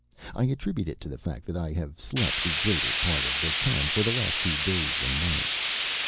I attribute it to the fact that I have slept the greater part of the time for the last two days and nights.